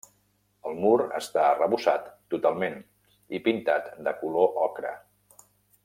El mur està arrebossat totalment i pintat de color ocre.